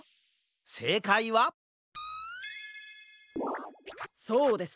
せいかいはそうです。